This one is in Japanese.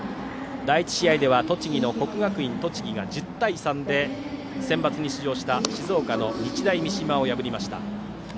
第１試合は栃木の国学院栃木が１０対３でセンバツにも出場した静岡の日大三島を破りました。